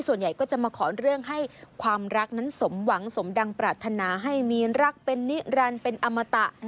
ส่วนใหญ่ก็จะมาขอเรื่องให้ความรักนั้นสมหวังสมดังปรารถนาให้มีรักเป็นนิรันดิ์เป็นอมตะ